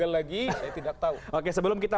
lagi saya tidak tahu oke sebelum kita